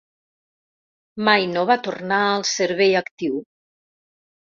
Mai no va tornar al servei actiu.